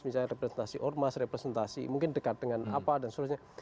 misalnya representasi ormas representasi mungkin dekat dengan apa dan sebagainya